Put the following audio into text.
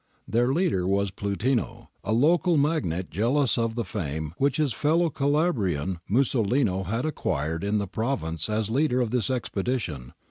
Their leader was Plutino, a local magnate jealous of the fame which his fellow Calabrian Musolino had acquired in the province as leader of this expedition.